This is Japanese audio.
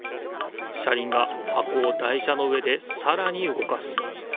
車りんがはこを台車の上でさらにうごかす。